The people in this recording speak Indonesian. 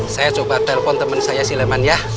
saya coba telepon temen saya sileman ya